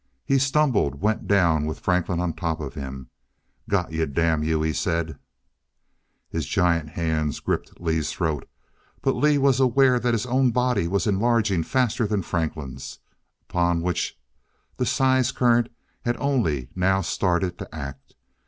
He stumbled, went down with Franklin on him. "Got you! Damn you," he said. His giant hands gripped Lee's throat, but Lee was aware that his own body was enlarging faster than Franklin's, upon which the size current had only now started to act.